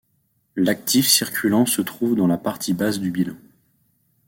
L'actif circulant se trouve dans la partie basse du bilan.